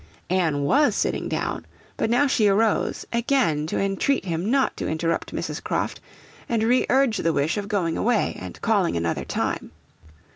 Anne was sitting down, but now she arose, again to entreat him not to interrupt Mrs. Croft and re urge the wish of going away and calling another time.